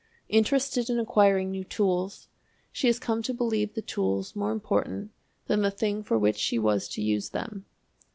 Interested in acquiring new tools, she has come to believe the tools more important than the thing for which she was to use them.